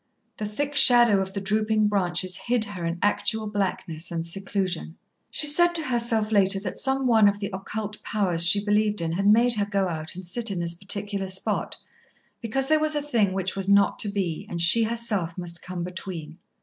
The thick shadow of the drooping branches hid her in actual blackness and seclusion. She said to herself later that some one of the occult powers she believed in had made her go out and sit in this particular spot, because there was a thing which was not to be, and she herself must come between.